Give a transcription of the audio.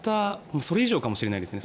それ以上かもしれないですね。